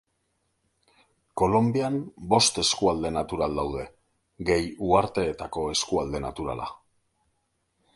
Kolonbian bost eskualde natural daude, gehi uharteetako eskualde naturala.